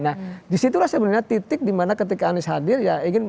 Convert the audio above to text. nah disitulah sebenarnya titik dimana ketika anies hadir ya